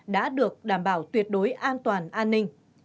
đã được đảm bảo tuyệt đối an toàn an ninh